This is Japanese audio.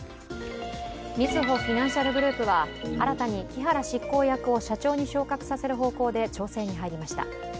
みずほフィナンシャルグループは新たに木原執行役を社長に昇格させる方向で調整に入りました。